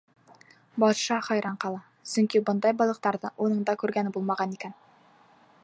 Батша хайран ҡала, сөнки бындай балыҡтарҙы уның да күргәне булмаған икән.